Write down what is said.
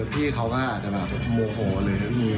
พี่เขาก็อาจจะโมโหเลย